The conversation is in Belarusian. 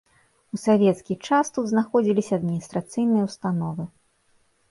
У савецкі час тут знаходзіліся адміністрацыйныя ўстановы.